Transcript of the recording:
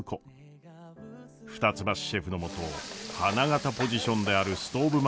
二ツ橋シェフのもと花形ポジションであるストーブ